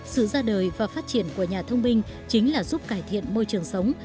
sự ra đời và phát triển của nhà thông minh chính là giúp cải thiện môi trường sống